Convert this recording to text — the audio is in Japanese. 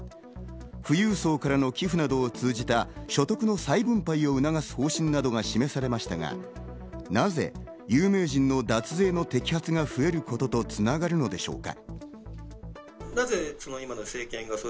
富裕層からの寄付などを通じた所得の再分配を促す方針などが示されましたがなぜ有名人の脱税の摘発が増えることと繋がるのでしょうか？